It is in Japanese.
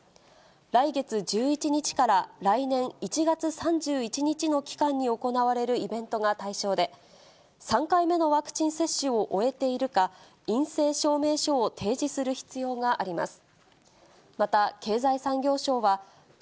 来月１１日から来年１月３１日の期間に行われるイベントが対象で、３回目のワクチン接種を終えているか、陰性証明書を提示する必要があります。